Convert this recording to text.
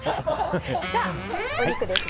さあ、お肉ですが。